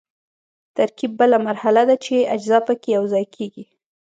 ترکیب بله مرحله ده چې اجزا پکې یوځای کیږي.